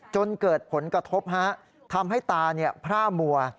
จนเกิดผลกระทบทำให้ตาพร่ามัว